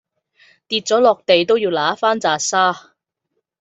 跌咗落地都要揦返秅沙